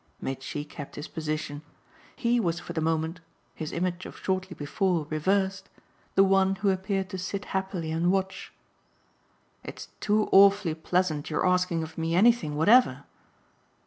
Mitchy kept his position; he was for the moment his image of shortly before reversed the one who appeared to sit happily and watch. "It's too awfully pleasant your asking of me anything whatever!"